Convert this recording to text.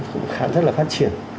cũng khá rất là phát triển